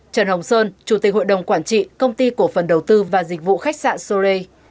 trần hồng sơn chủ tịch hội đồng quản trị công ty cổ phần đầu tư và dịch vụ khách sạn sore